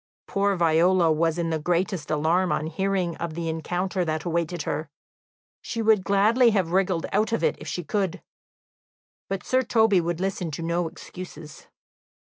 Poor Viola was in the greatest alarm on hearing of the encounter that awaited her; she would gladly have wriggled out of it if she could, but Sir Toby would listen to no excuses.